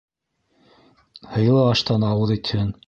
Һыйлы аштан ауыҙ итһен.